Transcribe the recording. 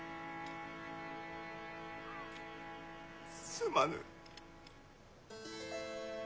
すまぬ。